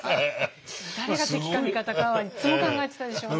誰が敵か味方かはいっつも考えてたでしょうね。